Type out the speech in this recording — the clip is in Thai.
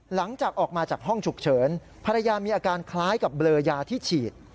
หลังจากออกมาจากห้องฉุกเฉินภรรยามีอาการคล้ายกับเบลอยาที่ฉีด